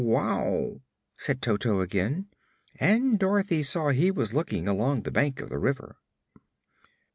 "Wow!" said Toto again, and Dorothy saw he was looking along the bank of the river.